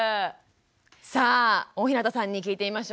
さあ大日向さんに聞いてみましょう。